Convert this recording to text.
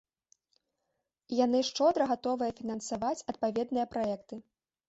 І яны шчодра гатовыя фінансаваць адпаведныя праекты.